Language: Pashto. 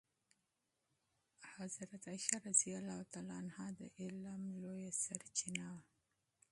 عائشه رضی الله عنها د علم لویه سرچینه وه.